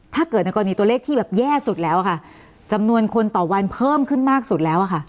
ถ้าเกิดในกรณีตัวเลขที่แบบแย่สุดแล้วอะค่ะจำนวนคนต่อวันเพิ่มขึ้นมากสุดแล้วอะค่ะ